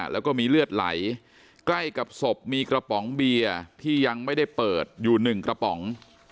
แล้วก็มีเลือดไหลใกล้กับศพมีกระป๋องเบียร์ที่ยังไม่ได้เปิดอยู่หนึ่งกระป๋อง